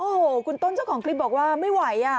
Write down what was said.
โอ้โหคุณต้นเจ้าของคลิปบอกว่าไม่ไหวอ่ะ